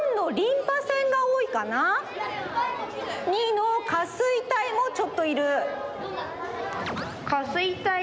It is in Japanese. ②の下垂体もちょっといる。